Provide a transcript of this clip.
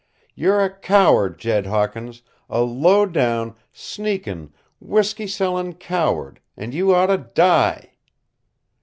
You're a coward, Jed Hawkins, a low down, sneakin,' whiskey sellin' coward and you oughta die!"